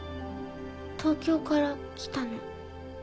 東京から来たの。